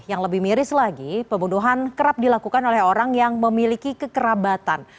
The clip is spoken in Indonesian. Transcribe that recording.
yang lebih miris lagi pembunuhan kerap dilakukan oleh orang yang memiliki kekerabatan